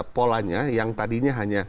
polanya yang tadinya hanya